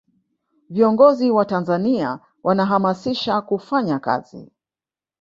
viongozi wa tanzania wanahamasisha kufanya kazi